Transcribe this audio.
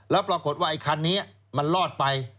แล้วปรากฏว่าไอ้คันนี้มันรอดไป